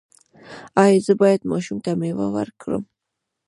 ایا زه باید ماشوم ته میوه ورکړم؟